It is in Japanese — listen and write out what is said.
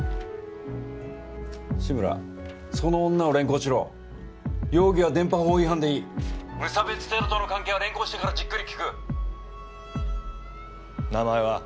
志村その女を連行しろ容疑は電波法違反でいい無差別テロとの関係は連行してからじっくり聴く名前は？